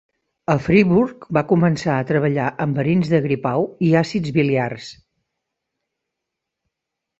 A Friburg va començar a treballar en verins de gripau i àcids biliars.